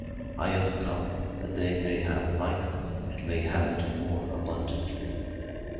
I am come that they may have life and may have it more abundantly.